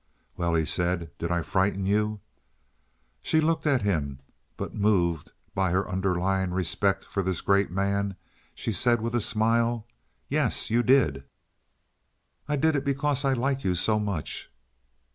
"Well," he said, "did I frighten you?" She looked at him, but moved by her underlying respect for this great man, she said, with a smile, "Yes, you did." "I did it because I like you so much."